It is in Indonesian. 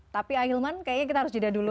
tapi ahilman kayaknya kita harus jeda dulu